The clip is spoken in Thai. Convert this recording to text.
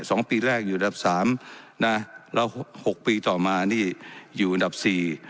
สองปีแรกอยู่อันดับสามนะแล้วหกปีต่อมานี่อยู่อันดับสี่